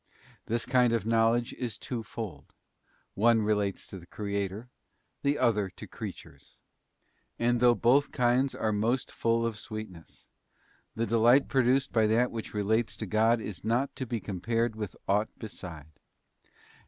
This kind of knowledge is twofold: one relates to the Creator, the other to creatures. And though both kinds are most full of sweetness, the delight produced by that which relates to God is not to be compared to aught beside; and there are Its definition and division.